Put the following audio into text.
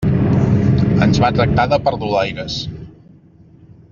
Ens va tractar de perdulaires.